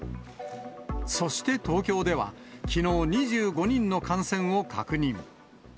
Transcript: そして東京では、きのう２５人の感染を確認。